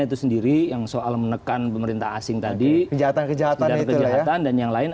itu sendiri yang soal menekan pemerintah asing tadi kejahatan kejahatan dan yang lain